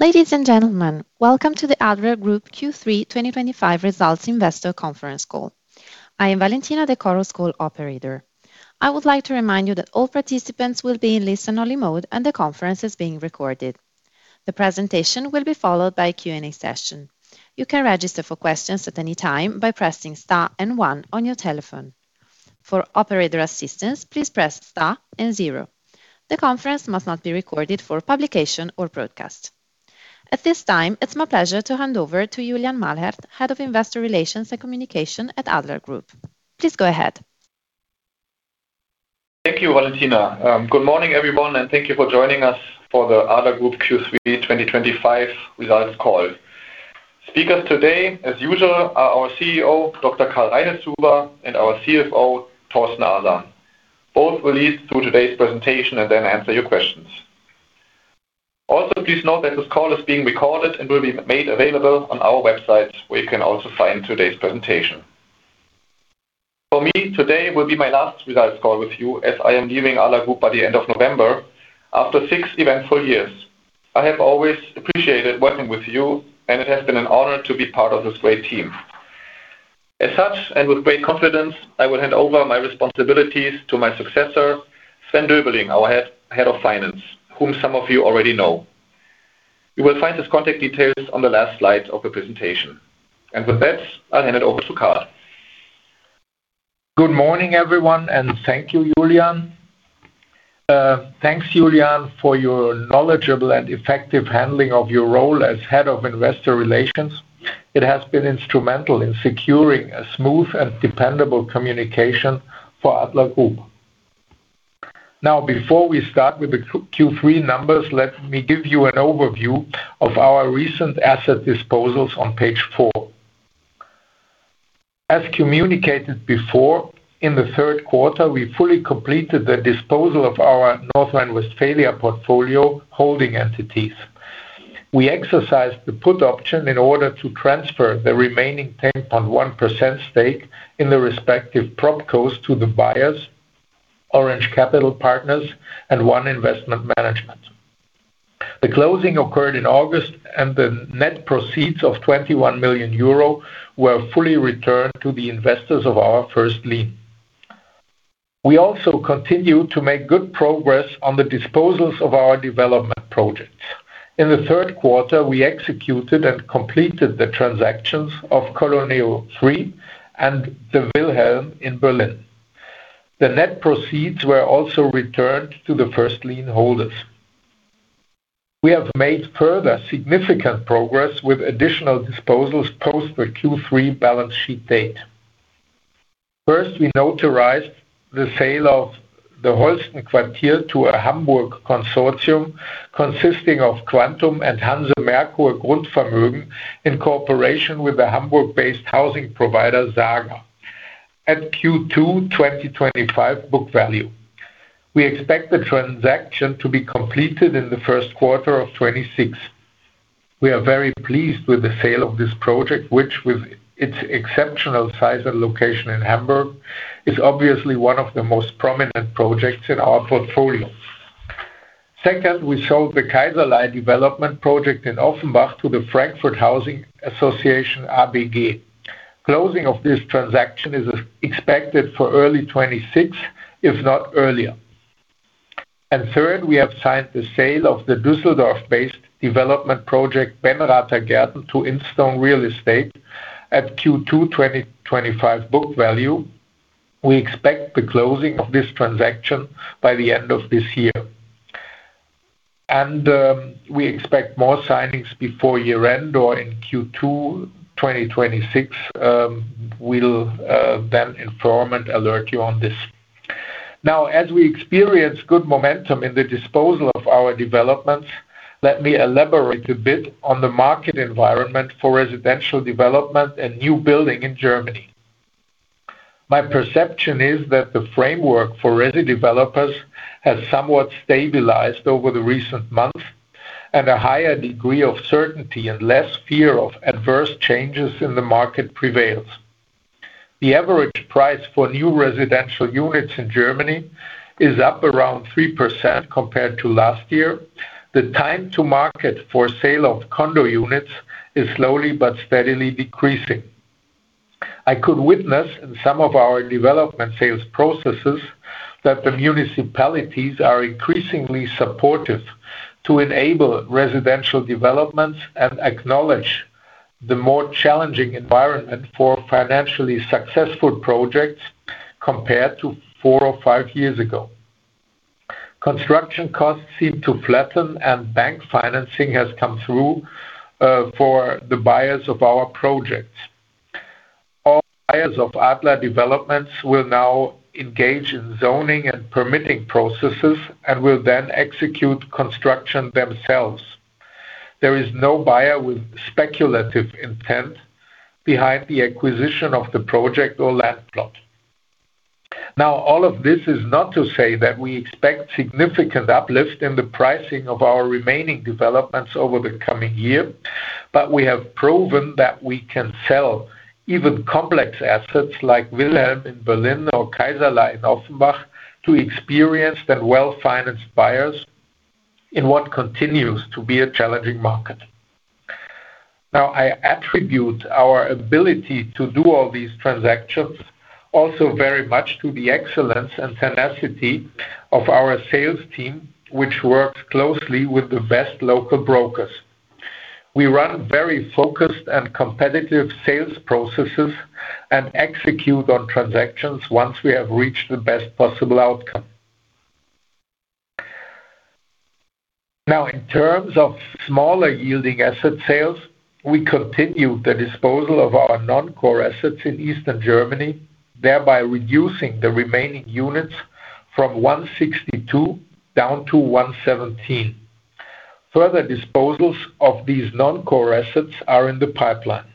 Ladies and gentlemen, welcome to the Adler Group Q3 2025 results investor conference call. I am Valentina De Chorus, Call Operator. I would like to remind you that all participants will be in listen-only mode, and the conference is being recorded. The presentation will be followed by a Q&A session. You can register for questions at any time by pressing star and one on your telephone. For operator assistance, please press star and zero. The conference must not be recorded for publication or broadcast. At this time, it's my pleasure to hand over to Julian Mahlert, Head of Investor Relations and Communication at Adler Group. Please go ahead. Thank you, Valentina. Good morning, everyone, and thank you for joining us for the Adler Group Q3 2025 Results Call. Speakers today, as usual, are our CEO, Dr. Karl Reinitzhuber, and our CFO, Thorsten Arsan. Both will lead through today's presentation and then answer your questions. Also, please note that this call is being recorded and will be made available on our website, where you can also find today's presentation. For me, today will be my last Results Call with you, as I am leaving Adler Group by the end of November, after six eventful years. I have always appreciated working with you, and it has been an honor to be part of this great team. As such, and with great confidence, I will hand over my responsibilities to my successor, Sven Döbeling, our Head of Finance, whom some of you already know. You will find his contact details on the last slide of the presentation. With that, I'll hand it over to Karl. Good morning, everyone, and thank you, Julian. Thanks, Julian, for your knowledgeable and effective handling of your role as Head of Investor Relations. It has been instrumental in securing a smooth and dependable communication for Adler Group. Now, before we start with the Q3 numbers, let me give you an overview of our recent asset disposals on page 4. As communicated before, in the third quarter, we fully completed the disposal of our North Rhine-Westphalia portfolio holding entities. We exercised the put option in order to transfer the remaining 10.1% stake in the respective prop coast to the buyers, Orange Capital Partners, and One Investment Management. The closing occurred in August, and the net proceeds of 21 million euro were fully returned to the investors of our first lien. We also continue to make good progress on the disposals of our development projects. In the third quarter, we executed and completed the transactions of Colonial 3 and the Wilhelm in Berlin. The net proceeds were also returned to the first lien holders. We have made further significant progress with additional disposals post the Q3 balance sheet date. First, we notarized the sale of the Holsten Quartier to a Hamburg consortium consisting of Quantum and Hanse Merkur Grundvermögen in cooperation with the Hamburg-based housing provider Saga, at Q2 2025 book value. We expect the transaction to be completed in the first quarter of 2026. We are very pleased with the sale of this project, which, with its exceptional size and location in Hamburg, is obviously one of the most prominent projects in our portfolio. Second, we sold the Kaiserlei development project in Offenbach to the Frankfurt housing association ABG. Closing of this transaction is expected for early 2026, if not earlier. Third, we have signed the sale of the Düsseldorf-based development project Benrather Gärten to Instone Real Estate at Q2 2025 book value. We expect the closing of this transaction by the end of this year. We expect more signings before year-end or in Q2 2026. We will then inform and alert you on this. Now, as we experience good momentum in the disposal of our developments, let me elaborate a bit on the market environment for residential development and new building in Germany. My perception is that the framework for resi developers has somewhat stabilized over the recent months, and a higher degree of certainty and less fear of adverse changes in the market prevails. The average price for new residential units in Germany is up around 3% compared to last year. The time to market for sale of condo units is slowly but steadily decreasing. I could witness in some of our development sales processes that the municipalities are increasingly supportive to enable residential developments and acknowledge the more challenging environment for financially successful projects compared to four or five years ago. Construction costs seem to flatten, and bank financing has come through for the buyers of our projects. All buyers of Adler developments will now engage in zoning and permitting processes and will then execute construction themselves. There is no buyer with speculative intent behind the acquisition of the project or land plot. Now, all of this is not to say that we expect significant uplift in the pricing of our remaining developments over the coming year, but we have proven that we can sell even complex assets like Wilhelm in Berlin or Kaiserlei in Offenbach to experienced and well-financed buyers in what continues to be a challenging market. Now, I attribute our ability to do all these transactions also very much to the excellence and tenacity of our sales team, which works closely with the best local brokers. We run very focused and competitive sales processes and execute on transactions once we have reached the best possible outcome. Now, in terms of smaller yielding asset sales, we continue the disposal of our non-core assets in Eastern Germany, thereby reducing the remaining units from 162 down to 117. Further disposals of these non-core assets are in the pipeline.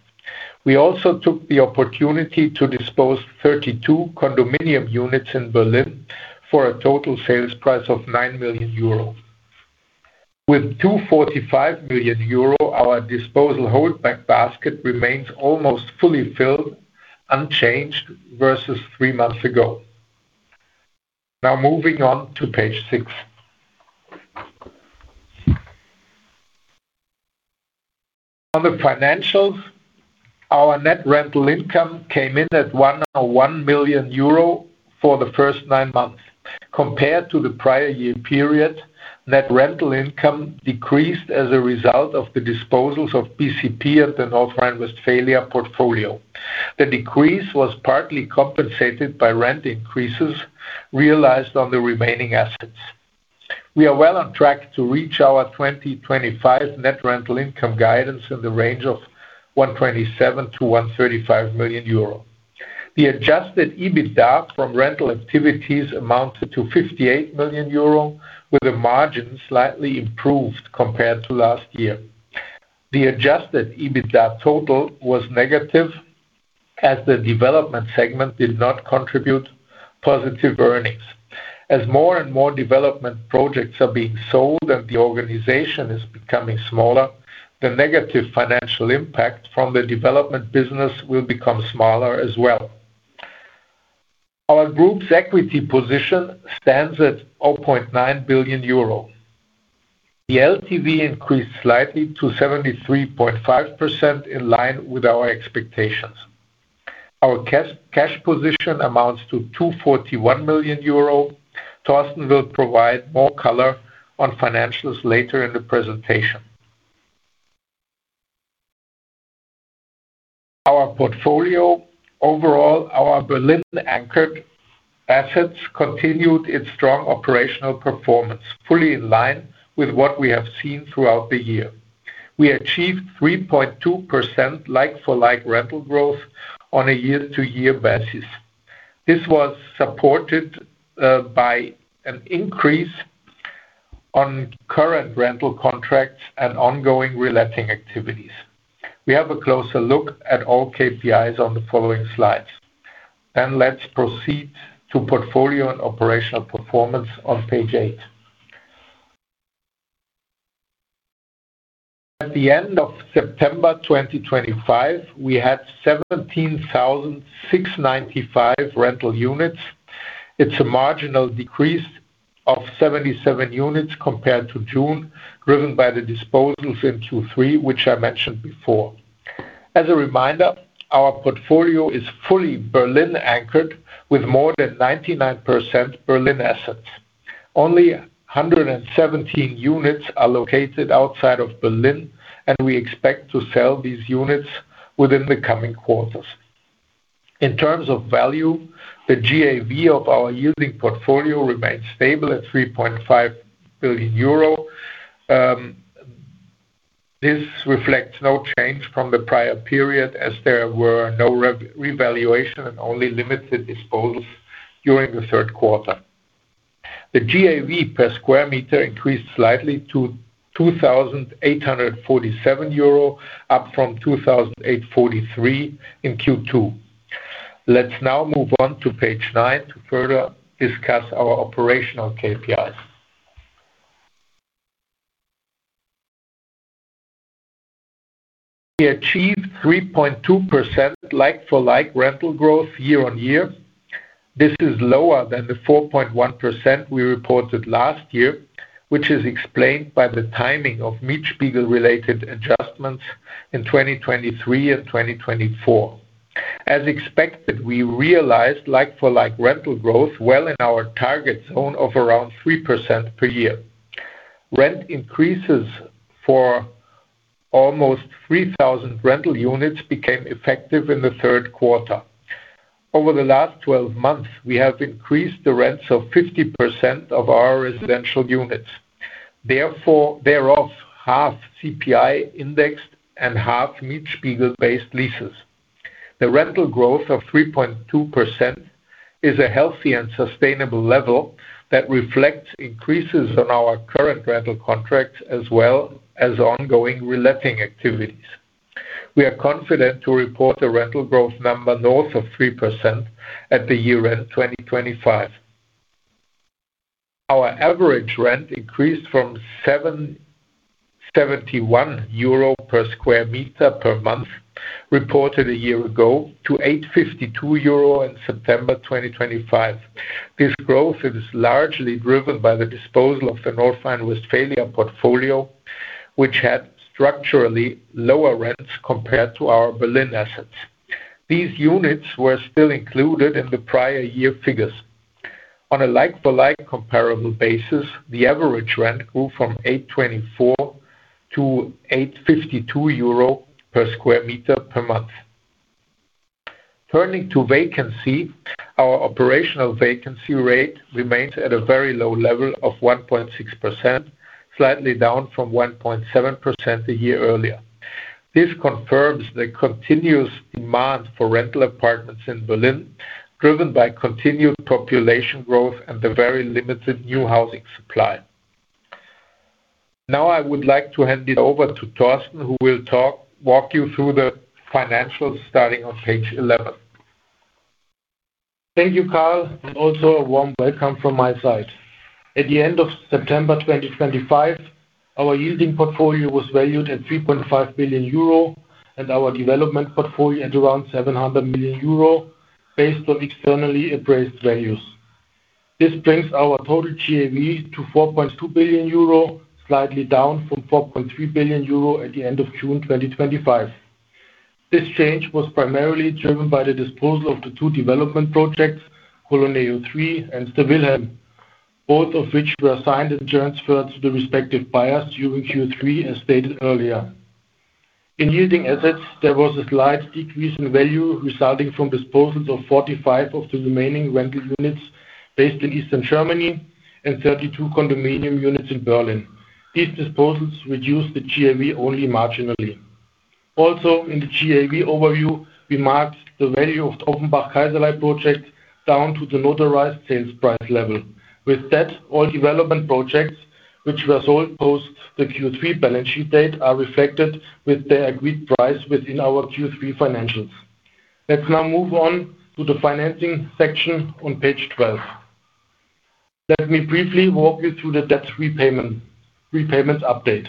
We also took the opportunity to dispose 32 condominium units in Berlin for a total sales price of 9 million euro. With 245 million euro, our disposal holdback basket remains almost fully filled, unchanged versus three months ago. Now, moving on to page 6. On the financials, our net rental income came in at 101 million euro for the first nine months. Compared to the prior year period, net rental income decreased as a result of the disposals of BCP and the North Rhine-Westphalia portfolio. The decrease was partly compensated by rent increases realized on the remaining assets. We are well on track to reach our 2025 net rental income guidance in the range of 127 million-135 million euro. The Adjusted EBITDA from rental activities amounted to 58 million euro, with the margin slightly improved compared to last year. The Adjusted EBITDA total was negative as the development segment did not contribute positive earnings. As more and more development projects are being sold and the organization is becoming smaller, the negative financial impact from the development business will become smaller as well. Our group's equity position stands at 0.9 billion euro. The LTV increased slightly to 73.5%, in line with our expectations. Our cash position amounts to 241 million euro. Thorsten will provide more color on financials later in the presentation. Our portfolio overall, our Berlin-anchored assets continued its strong operational performance, fully in line with what we have seen throughout the year. We achieved 3.2% like-for-like rental growth on a year-to-year basis. This was supported by an increase on current rental contracts and ongoing reletting activities. We have a closer look at all KPIs on the following slides. Let's proceed to portfolio and operational performance on page 8. At the end of September 2025, we had 17,695 rental units. It's a marginal decrease of 77 units compared to June, driven by the disposals in Q3, which I mentioned before. As a reminder, our portfolio is fully Berlin-anchored, with more than 99% Berlin assets. Only 117 units are located outside of Berlin, and we expect to sell these units within the coming quarters. In terms of value, the GAV of our yielding portfolio remains stable at 3.5 billion euro. This reflects no change from the prior period, as there were no revaluations and only limited disposals during the third quarter. The GAV per square meter increased slightly to 2,847 euro, up from 2,843 in Q2. Let's now move on to page 9 to further discuss our operational KPIs. We achieved 3.2% like-for-like rental growth year-on-year. This is lower than the 4.1% we reported last year, which is explained by the timing of Mietspiegel-related adjustments in 2023 and 2024. As expected, we realized like-for-like rental growth well in our target zone of around 3% per year. Rent increases for almost 3,000 rental units became effective in the third quarter. Over the last 12 months, we have increased the rents of 50% of our residential units, thereof half CPI-indexed and half Mietspiegel-based leases. The rental growth of 3.2% is a healthy and sustainable level that reflects increases on our current rental contracts as well as ongoing reletting activities. We are confident to report a rental growth number north of 3% at the year-end 2025. Our average rent increased from 7.1 euro per sq m per month, reported a year ago, to 8.52 euro in September 2025. This growth is largely driven by the disposal of the North Rhine-Westphalia portfolio, which had structurally lower rents compared to our Berlin assets. These units were still included in the prior year figures. On a like-for-like comparable basis, the average rent grew from 8.24 to 8.52 euro per sq m per month. Turning to vacancy, our operational vacancy rate remains at a very low level of 1.6%, slightly down from 1.7% a year earlier. This confirms the continuous demand for rental apartments in Berlin, driven by continued population growth and the very limited new housing supply. Now, I would like to hand it over to Thorsten, who will walk you through the financials starting on page 11. Thank you, Karl, and also a warm welcome from my side. At the end of September 2025, our yielding portfolio was valued at 3.5 billion euro, and our development portfolio at around 700 million euro, based on externally appraised values. This brings our total GAV to 4.2 billion euro, slightly down from 4.3 billion euro at the end of June 2025. This change was primarily driven by the disposal of the two development projects, Colonial 3 and Cosmopolitan, both of which were assigned and transferred to the respective buyers during Q3, as stated earlier. In yielding assets, there was a slight decrease in value resulting from disposals of 45 of the remaining rental units based in Eastern Germany and 32 condominium units in Berlin. These disposals reduced the GAV only marginally. Also, in the GAV overview, we marked the value of the Offenbach Kaiserlei project down to the notarized sales price level. With that, all development projects, which were sold post the Q3 balance sheet date, are reflected with their agreed price within our Q3 financials. Let's now move on to the financing section on page 12. Let me briefly walk you through the debt repayment update.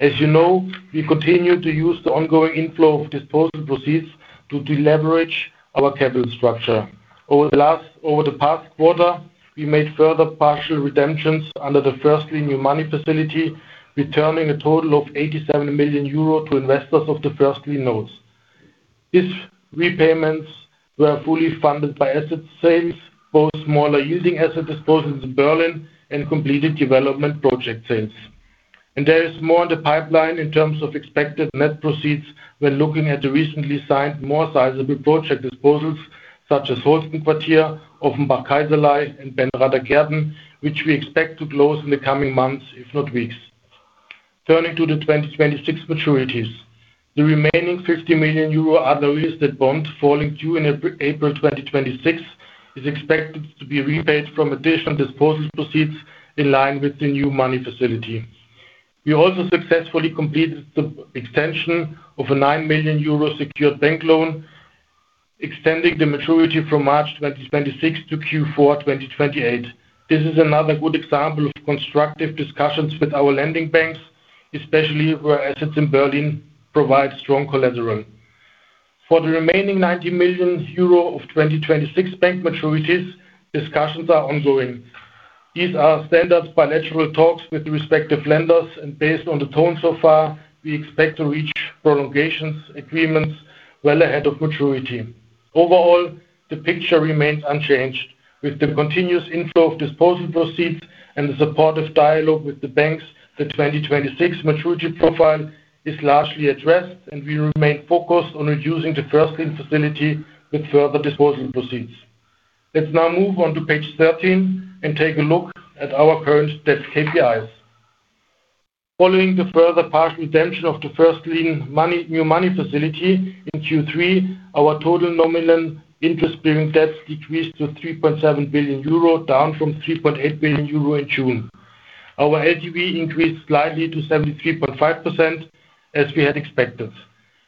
As you know, we continue to use the ongoing inflow of disposal proceeds to deleverage our capital structure. Over the past quarter, we made further partial redemptions under the Firstly New Money facility, returning a total of 87 million euro to investors of the Firstly notes. These repayments were fully funded by asset sales, both smaller yielding asset disposals in Berlin and completed development project sales. There is more on the pipeline in terms of expected net proceeds when looking at the recently signed more sizable project disposals, such as Holsten Quartier, Offenbach Kaiserlei, and Benrather Gärten, which we expect to close in the coming months, if not weeks. Turning to the 2026 maturities, the remaining 50 million euro Arda Real Estate bond, falling due in April 2026, is expected to be repaid from additional disposal proceeds in line with the new money facility. We also successfully completed the extension of a 9 million euro secured bank loan, extending the maturity from March 2026 to Q4 2028. This is another good example of constructive discussions with our lending banks, especially where assets in Berlin provide strong collateral. For the remaining 90 million euro of 2026 bank maturities, discussions are ongoing. These are standard bilateral talks with the respective lenders, and based on the tone so far, we expect to reach prolongations agreements well ahead of maturity. Overall, the picture remains unchanged. With the continuous inflow of disposal proceeds and the supportive dialogue with the banks, the 2026 maturity profile is largely addressed, and we remain focused on reducing the Firstly facility with further disposal proceeds. Let's now move on to page 13 and take a look at our current debt KPIs. Following the further partial redemption of the Firstly New Money facility in Q3, our total nominal interest-bearing debt decreased to 3.7 billion euro, down from 3.8 billion euro in June. Our LTV increased slightly to 73.5%, as we had expected.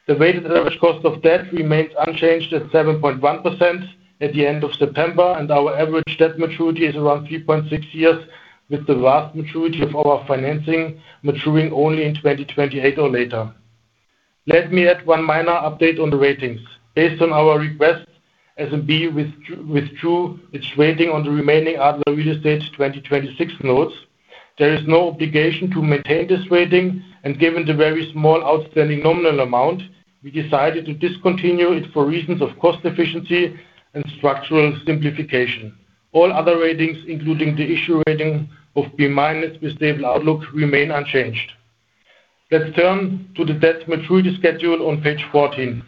The weighted average cost of debt remains unchanged at 7.1% at the end of September, and our average debt maturity is around 3.6 years, with the vast majority of our financing maturing only in 2028 or later. Let me add one minor update on the ratings. Based on our request, S&P withdrew its rating on the remaining Arda Real Estate 2026 notes. There is no obligation to maintain this rating, and given the very small outstanding nominal amount, we decided to discontinue it for reasons of cost efficiency and structural simplification. All other ratings, including the issue rating of B minus with stable outlook, remain unchanged. Let's turn to the debt maturity schedule on page 14.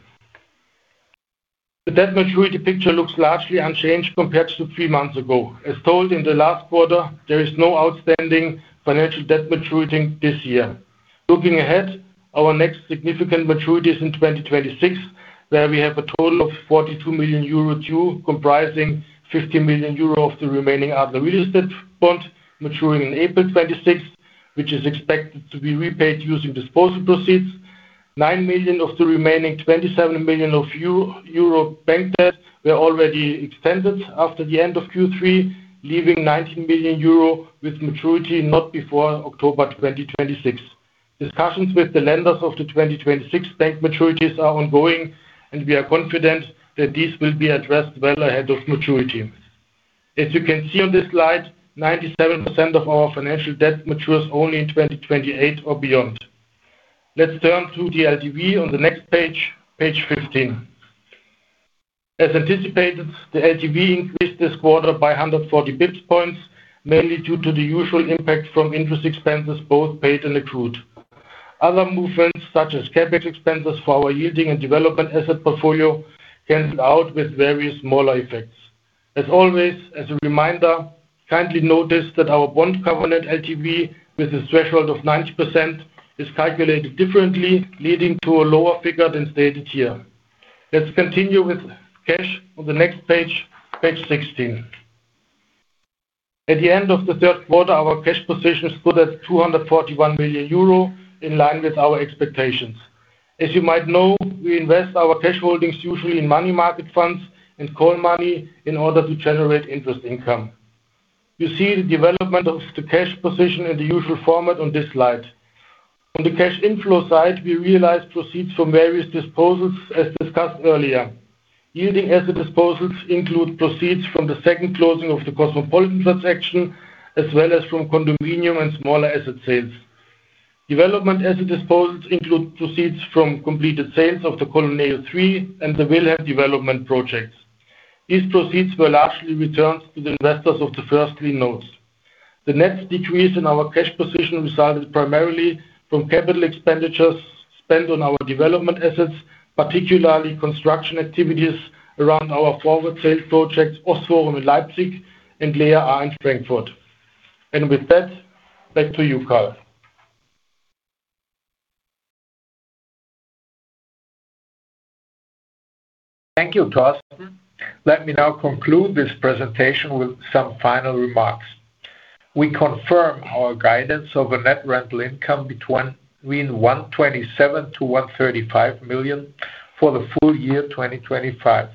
The debt maturity picture looks largely unchanged compared to three months ago. As told in the last quarter, there is no outstanding financial debt maturity this year. Looking ahead, our next significant maturity is in 2026, where we have a total of 42 million euro due, comprising 50 million euro of the remaining Arda Real Estate bond, maturing on April 26, which is expected to be repaid using disposal proceeds. 9 million of the remaining 27 million euro of bank debt were already extended after the end of Q3, leaving 19 million euro with maturity not before October 2026. Discussions with the lenders of the 2026 bank maturities are ongoing, and we are confident that these will be addressed well ahead of maturity. As you can see on this slide, 97% of our financial debt matures only in 2028 or beyond. Let's turn to the LTV on the next page, page 15. As anticipated, the LTV increased this quarter by 140 basis points, mainly due to the usual impact from interest expenses both paid and accrued. Other movements, such as CapEx expenses for our yielding and development asset portfolio, can be out with various smaller effects. As always, as a reminder, kindly notice that our bond covenant LTV, with a threshold of 90%, is calculated differently, leading to a lower figure than stated here. Let's continue with cash on the next page, page 16. At the end of the third quarter, our cash position stood at 241 million euro, in line with our expectations. As you might know, we invest our cash holdings usually in money market funds and call money in order to generate interest income. You see the development of the cash position in the usual format on this slide. On the cash inflow side, we realize proceeds from various disposals, as discussed earlier. Yielding asset disposals include proceeds from the second closing of the Cosmopolitan transaction, as well as from condominium and smaller asset sales. Development asset disposals include proceeds from completed sales of the Colonial 3 and the Wilhelm development projects. These proceeds were largely returned to the investors of the Firstly notes. The net decrease in our cash position resulted primarily from capital expenditures spent on our development assets, particularly construction activities around our forward sales projects, Osfort in Leipzig and Lea in Frankfurt. Back to you, Karl. Thank you, Thorsten. Let me now conclude this presentation with some final remarks. We confirm our guidance of a net rental income between 127 million-135 million for the full year 2025.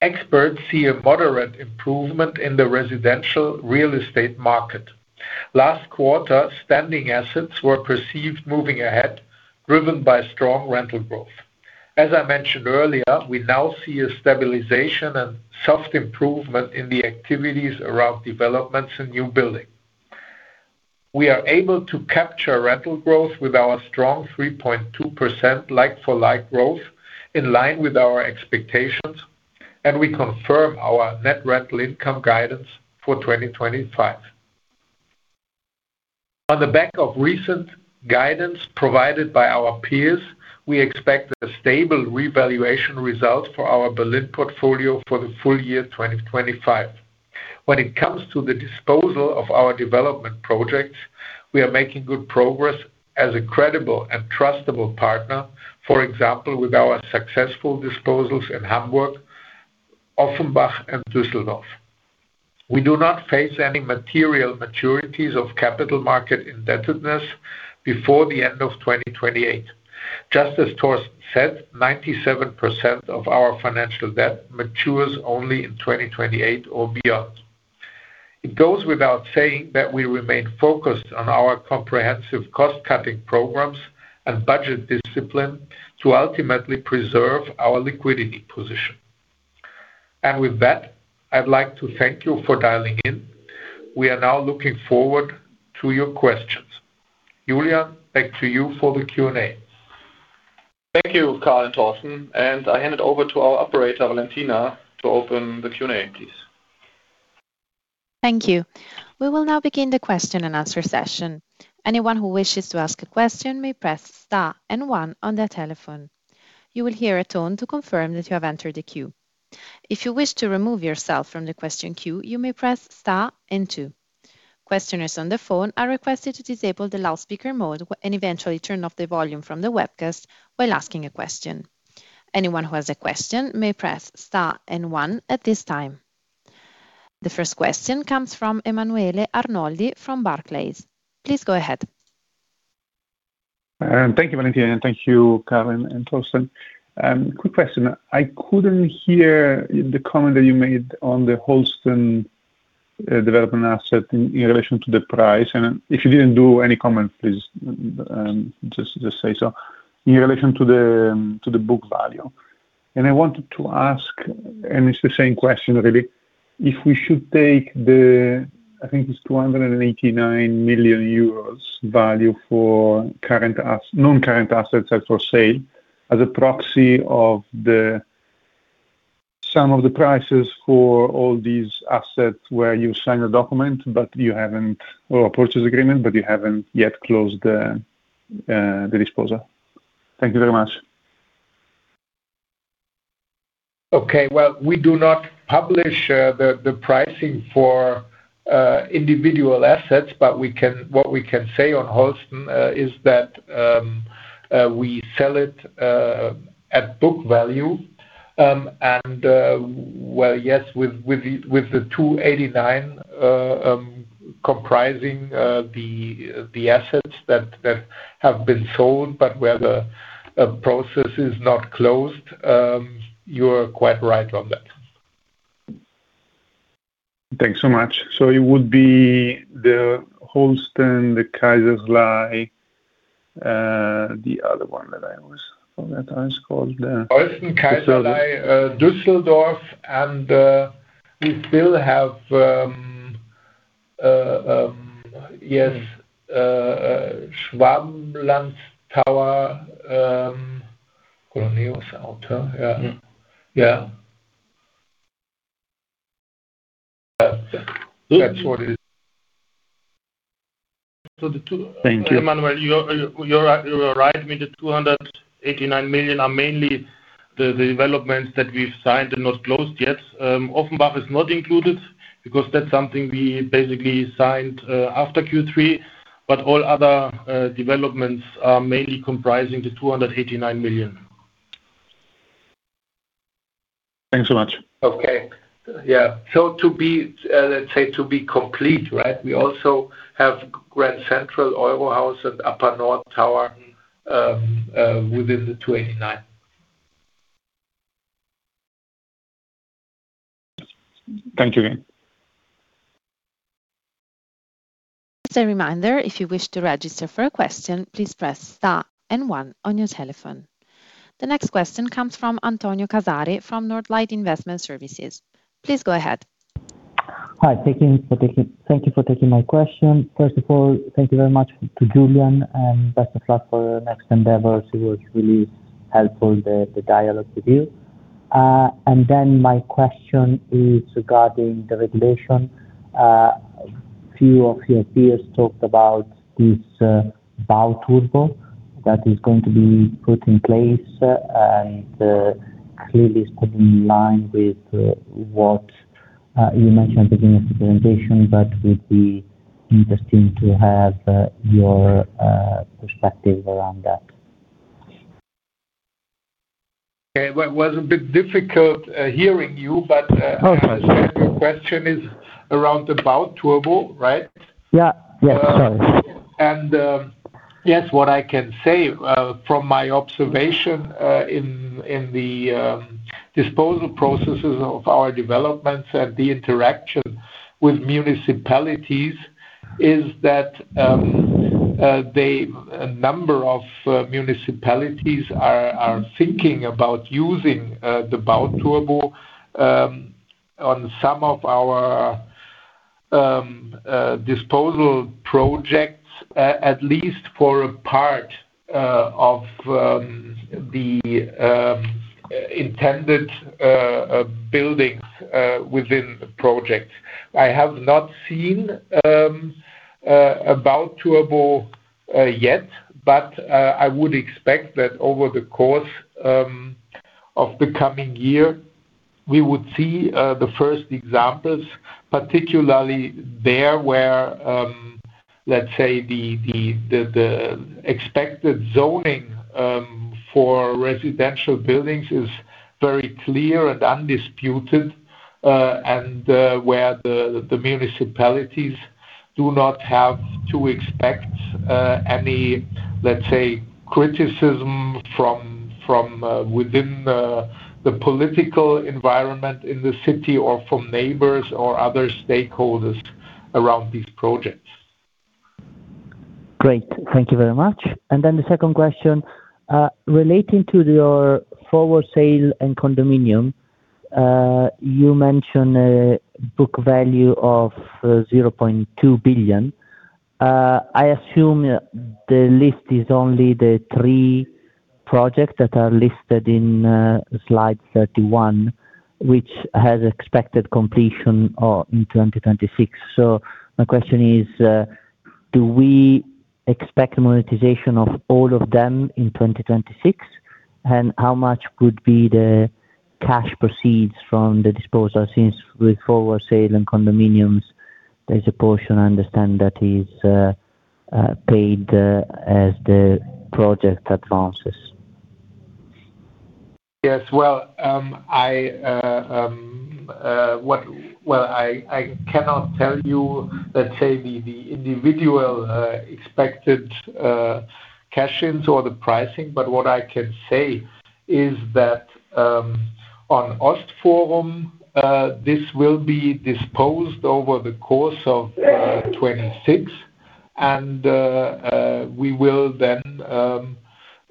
Experts see a moderate improvement in the residential real estate market. Last quarter, standing assets were perceived moving ahead, driven by strong rental growth. As I mentioned earlier, we now see a stabilization and soft improvement in the activities around developments and new building. We are able to capture rental growth with our strong 3.2% like-for-like growth, in line with our expectations, and we confirm our net rental income guidance for 2025. On the back of recent guidance provided by our peers, we expect a stable revaluation result for our Berlin portfolio for the full year 2025. When it comes to the disposal of our development projects, we are making good progress as a credible and trustable partner, for example, with our successful disposals in Hamburg, Offenbach, and Düsseldorf. We do not face any material maturities of capital market indebtedness before the end of 2028. Just as Thorsten said, 97% of our financial debt matures only in 2028 or beyond. It goes without saying that we remain focused on our comprehensive cost-cutting programs and budget discipline to ultimately preserve our liquidity position. With that, I'd like to thank you for dialing in. We are now looking forward to your questions. Julian, back to you for the Q&A. Thank you, Karl and Thorsten. I hand it over to our operator, Valentina, to open the Q&A, please. Thank you. We will now begin the question and answer session. Anyone who wishes to ask a question may press Star and 1 on their telephone. You will hear a tone to confirm that you have entered the queue. If you wish to remove yourself from the question queue, you may press Star and 2. Questioners on the phone are requested to disable the loudspeaker mode and eventually turn off the volume from the webcast while asking a question. Anyone who has a question may press Star and 1 at this time. The first question comes from Emanuele Arnoldi from Barclays. Please go ahead. Thank you, Valentina, and thank you, Karl and Thorsten. Quick question. I couldn't hear the comment that you made on the Holsten development asset in relation to the price. If you didn't do any comment, please just say so. In relation to the book value. I wanted to ask, and it's the same question, really, if we should take the, I think it's 289 million euros value for current non-current assets set for sale as a proxy of the sum of the prices for all these assets where you signed a document, but you haven't, or a purchase agreement, but you haven't yet closed the disposal. Thank you very much. Okay, we do not publish the pricing for individual assets, but what we can say on Holsten is that we sell it at book value. Yes, with the 289 million comprising the assets that have been sold, but where the process is not closed, you're quite right on that. Thanks so much. It would be the Holsten, the Kaiserlei, the other one that I was, what was that? Holsten, Kaiserlei, Düsseldorf, and we still have Schwablandstower, Colonial Center, yeah. That's what it is. Thank you. Thank you, Emanuele. You're right, I mean, the 289 million are mainly the developments that we've signed and not closed yet. Offenbach is not included because that's something we basically signed after Q3, but all other developments are mainly comprising the 289 million. Thanks so much. Okay. Yeah. Let's say to be complete, right, we also have Grand Central, Eurohouse, and Upper North Tower within the EUR 289 million. Thank you again. As a reminder, if you wish to register for a question, please press Star and 1 on your telephone. The next question comes from Antonio Casari from Northlight Investment Services. Please go ahead. Hi. Thank you for taking my question. First of all, thank you very much to Julian and best of luck for the next endeavor. It was really helpful, the dialogue with you. My question is regarding the regulation. A few of your peers talked about this Bau-Turbo that is going to be put in place and clearly is coming in line with what you mentioned at the beginning of the presentation, but would be interesting to have your perspective around that. It was a bit difficult hearing you, but I understand your question is around the Bau-Turbo, right? Yeah. Yes. Sorry. Yes, what I can say from my observation in the disposal processes of our developments and the interaction with municipalities is that a number of municipalities are thinking about using the Bau-Turbo on some of our disposal projects, at least for a part of the intended buildings within the project. I have not seen a Bau-Turbo yet, but I would expect that over the course of the coming year, we would see the first examples, particularly there where, let's say, the expected zoning for residential buildings is very clear and undisputed, and where the municipalities do not have to expect any, let's say, criticism from within the political environment in the city or from neighbors or other stakeholders around these projects. Great. Thank you very much. Then the second question, relating to your forward sale and condominium, you mentioned a book value of 0.2 billion. I assume the list is only the three projects that are listed in slide 31, which has expected completion in 2026. My question is, do we expect monetization of all of them in 2026? How much would be the cash proceeds from the disposal since with forward sale and condominiums, there is a portion I understand that is paid as the project advances? Yes. I cannot tell you, let's say, the individual expected cash in or the pricing, but what I can say is that on Osfort, this will be disposed over the course of 2026, and we will then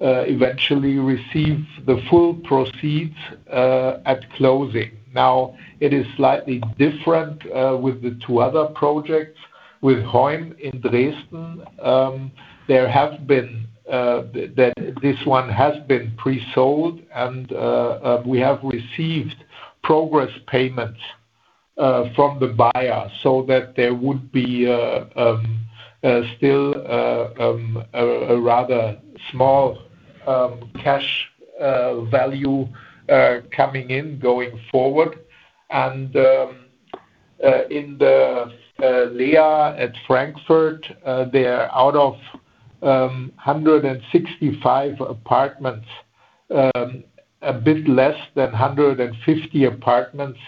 eventually receive the full proceeds at closing. It is slightly different with the two other projects. With Heum in Dresden, there have been that this one has been pre-sold, and we have received progress payments from the buyer, so that there would be still a rather small cash value coming in going forward. In the Lea at Frankfurt, there are out of 165 apartments, a bit less than 150 apartments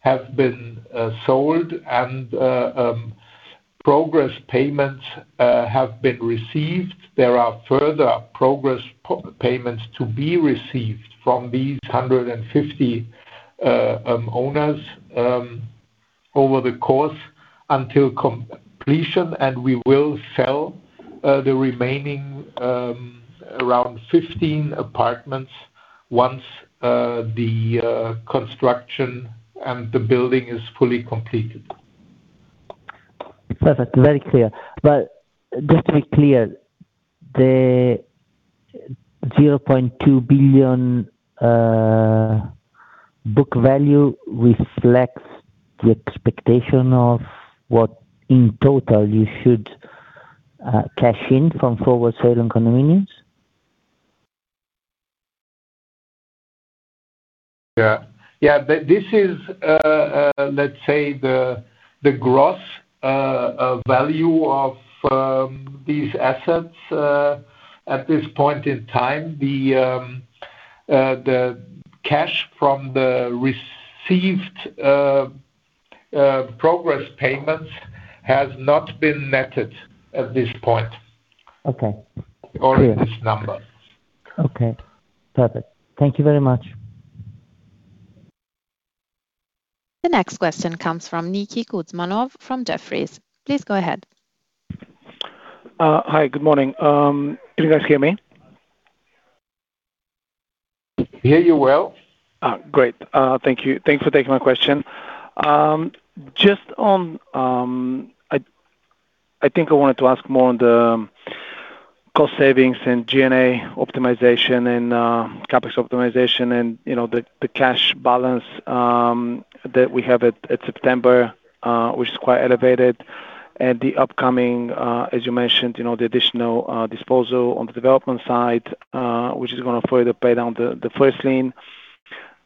have been sold, and progress payments have been received. There are further progress payments to be received from these 150 owners over the course until completion, and we will sell the remaining around 15 apartments once the construction and the building is fully completed. Perfect. Very clear. Just to be clear, the 0.2 billion book value reflects the expectation of what in total you should cash in from forward sale and condominiums? Yeah. Yeah. This is, let's say, the gross value of these assets at this point in time. The cash from the received progress payments has not been netted at this point. Okay. Or this number. Okay. Perfect. Thank you very much. The next question comes from Niki Kouzmanov from Jefferies. Please go ahead. Hi. Good morning. Can you guys hear me? Hear you well. Great. Thank you. Thanks for taking my question. Just on, I think I wanted to ask more on the cost savings and G&A optimization and CapEx optimization and the cash balance that we have at September, which is quite elevated. The upcoming, as you mentioned, the additional disposal on the development side, which is going to further pay down the first lien.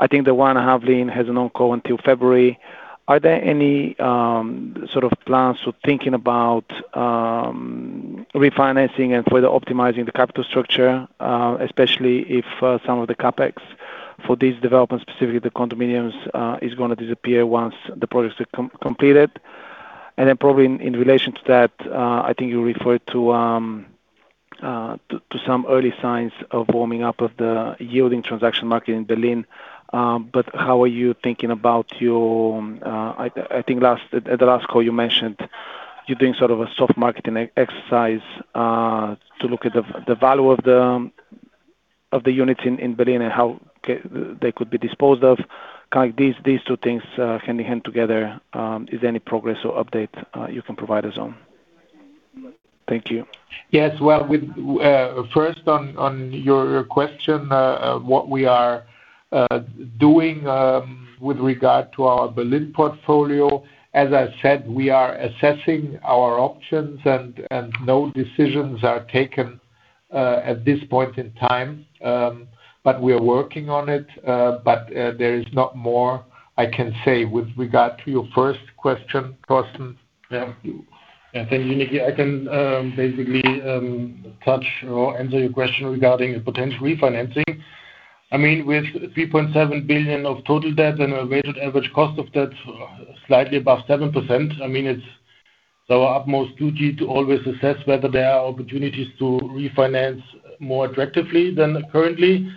I think the one-and-a-half lien has a non-co until February. Are there any sort of plans for thinking about refinancing and further optimizing the capital structure, especially if some of the CapEx for these developments, specifically the condominiums, is going to disappear once the projects are completed? Probably in relation to that, I think you referred to some early signs of warming up of the yielding transaction market in Berlin. How are you thinking about your, I think at the last call you mentioned, you're doing sort of a soft marketing exercise to look at the value of the units in Berlin and how they could be disposed of. Kind of these two things hand in hand together, is there any progress or update you can provide us on? Thank you. Yes. First, on your question, what we are doing with regard to our Berlin portfolio, as I said, we are assessing our options, and no decisions are taken at this point in time, but we are working on it. There is not more I can say with regard to your first question, Thorsten. Thank you, Niki. I can basically touch or answer your question regarding potential refinancing. I mean, with 3.7 billion of total debt and a weighted average cost of debt slightly above 7%, it is our utmost duty to always assess whether there are opportunities to refinance more attractively than currently.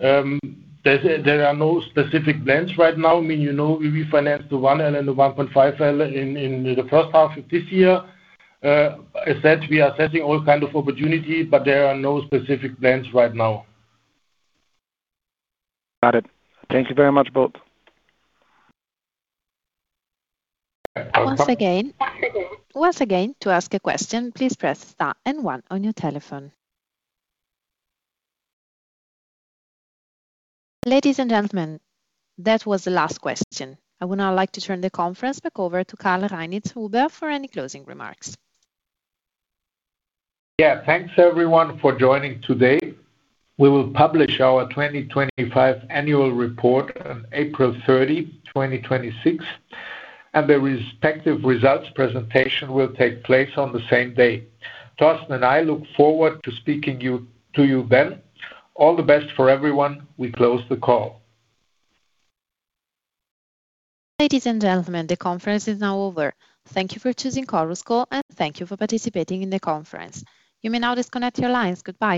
There are no specific plans right now. I mean, we refinanced the 1L and the 1.5L in the first half of this year. As I said, we are assessing all kinds of opportunity, but there are no specific plans right now. Got it. Thank you very much, both. Once again, to ask a question, please press star and one on your telephone. Ladies and gentlemen, that was the last question. I would now like to turn the conference back over to Karl Reinitzhuber for any closing remarks. Yeah. Thanks, everyone, for joining today. We will publish our 2025 annual report on April 30, 2026, and the respective results presentation will take place on the same day. Thorsten and I look forward to speaking to you then. All the best for everyone. We close the call. Ladies and gentlemen, the conference is now over. Thank you for choosing Chorus call, and thank you for participating in the conference. You may now disconnect your lines. Goodbye.